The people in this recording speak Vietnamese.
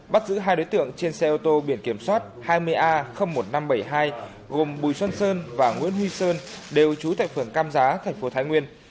bắt giữ hai đối tượng trên xe ô tô biển kiểm soát hai mươi a một nghìn năm trăm bảy mươi hai gồm bùi xuân sơn và nguyễn huy sơn đều trú tại phường cam giá thành phố thái nguyên